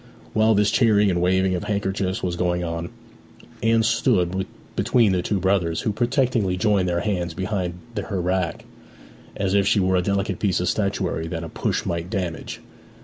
While this cheering and waving of handkerchiefs was going on Anne stood between the two brothers, who protectingly joined their hands behind her back, as if she were a delicate piece of statuary that a push might damage.